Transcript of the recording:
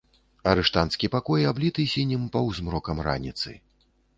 Арыштанцкі пакой абліты сінім паўзмрокам раніцы.